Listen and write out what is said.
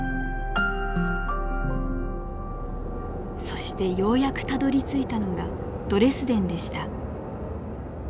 そしてようやくたどりついたのがドレスデンでした。